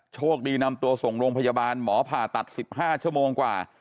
โชคดีนำตัวส่งโรงพยาบาลหมอผ่าตัด๑๕ชั่วโมงกว่า